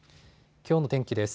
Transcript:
きょうの天気です。